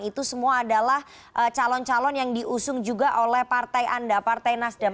itu semua adalah calon calon yang diusung juga oleh partai anda partai nasdem